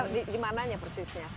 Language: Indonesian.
di mananya persisnya